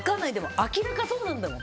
明らか、そうなんだもん。